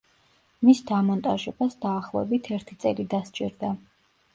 მის დამონტაჟებას დაახლოებით ერთი წელი დასჭირდა.